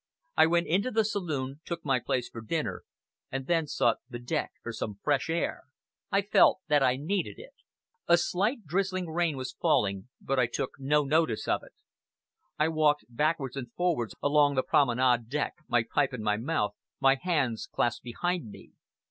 I went into the saloon, took my place for dinner, and then sought the deck for some fresh air. I felt that I needed it. A slight, drizzling rain was falling, but I took no notice of it. I walked backwards and forwards along the promenade deck, my pipe in my mouth, my hands clasped behind me.